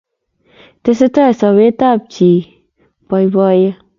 Tesei sobetab chii boiboiye